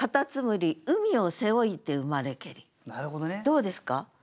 どうですか？